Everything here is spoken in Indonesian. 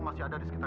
masih ada di sekitar